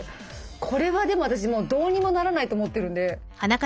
これはでも私どうにもならないと思ってるんで。